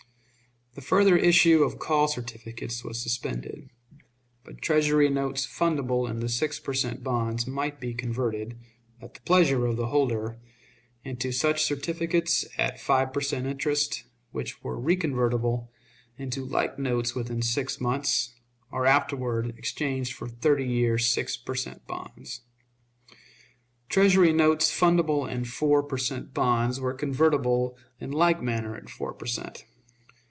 The further issue of call certificates was suspended; but Treasury notes fundable in the six per cent. bonds might be converted, at the pleasure of the holder, into such certificates at five per cent. interest, which were reconvertible into like notes within six months, or afterward exchanged for thirty years six per cent. bonds. Treasury notes fundable in four per cent. bonds were convertible in like manner at four per cent.